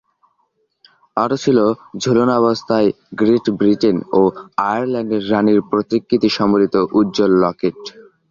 আরো ছিলো ঝুলানো অবস্থায় গ্রেট-ব্রিটেন ও আয়ারল্যান্ডের রানীর প্রতিকৃতি সম্বলিত উজ্জ্বল লকেট।